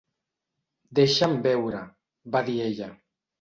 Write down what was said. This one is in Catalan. "Deixa'm veure", va dir ella.